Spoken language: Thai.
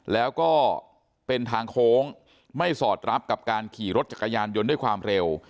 แล้วก็เป็นทางโค้งไม่สอดรับกับการขี่รถจักรยานยนต์ด้วยความเร็ว